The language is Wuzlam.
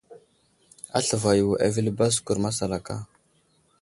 Aslva yo avəli baskur masalaka.